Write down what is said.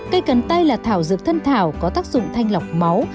cây cần tay là thảo dược thân thảo có tác dụng thanh lọc máu